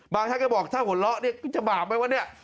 บางท่านก็บอกถ้าหัวเราะก็จะบาปไหมวะนี่